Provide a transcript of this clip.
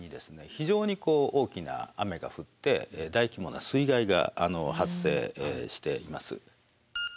非常に大きな雨が降って大規模な水害が発生しています。